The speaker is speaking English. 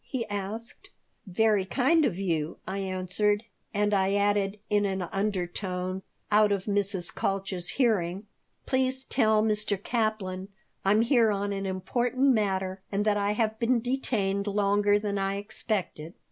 he asked "Very kind of you," I answered, and I added in an undertone, out of Mrs. Kalch's hearing, "Please tell Mr. Kaplan I'm here on an important matter and that I have been detained longer than I expected."